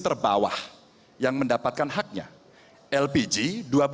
jadi saya mau bicara tentang hal hal yang terjadi di negara ini